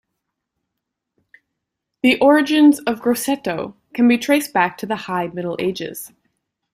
The origins of Grosseto can be traced back to the High Middle Ages.